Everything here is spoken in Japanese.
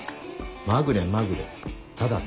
まぐれまぐれただね